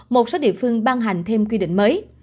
một số địa phương ban hành thêm quy định mới